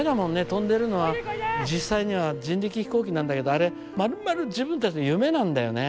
飛んでるのは実際には人力飛行機なんだけどあれまるまる自分たちの夢なんだよね。